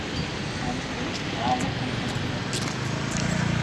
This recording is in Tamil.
அன்பு, ஆர்வத்தைத் தருகிறது.